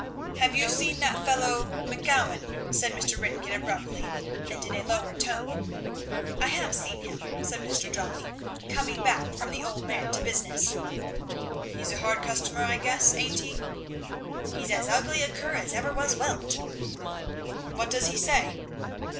"Have you seen that fellow McGowan?" said Mr. Ringgan abruptly, and in a lower tone. "I have seen him," said Mr. Jolly, coming back from the old mare to business. "He's a hard customer I guess, ain't he?" "He's as ugly a cur as ever was whelped!" "What does he say?"